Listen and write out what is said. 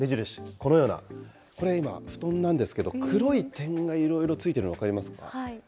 このような、これ今、布団なんですけど、黒い点がいろいろついてるの分かりますか？